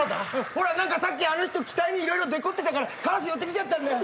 ほら何かさっきあの人機体に色々デコってたからカラス寄ってきちゃったんだよ。